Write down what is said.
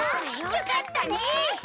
よかったね！